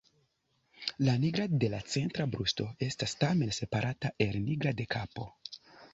La nigra de la centra brusto estas tamen separata el nigra de kapo.